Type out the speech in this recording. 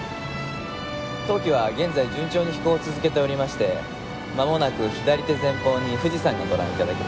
当機は現在順調に飛行を続けておりましてまもなく左手前方に富士山がご覧頂けます。